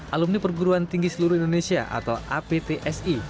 alumni perguruan tinggi seluruh indonesia atau aptsi